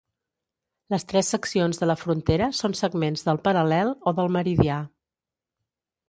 Les tres seccions de la frontera són segments del paral·lel o del meridià.